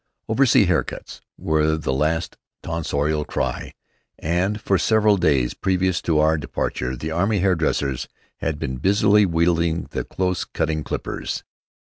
"Oversea haircuts" were the last tonsorial cry, and for several days previous to our departure, the army hairdressers had been busily wielding the close cutting clippers.